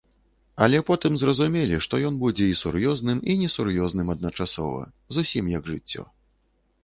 Але потым зразумелі, што ён будзе і сур'ёзным, і несур'ёзным адначасова, зусім як жыццё.